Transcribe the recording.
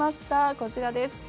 こちらです。